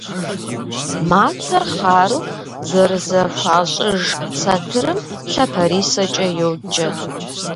Матэр хъару зэрызэхуащӏыж сатырым лъапэрисэкӏэ йоджэ.